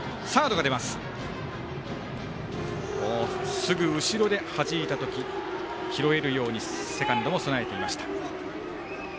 すぐ後ろで、はじいた時に拾えるようにセカンドも備えていました。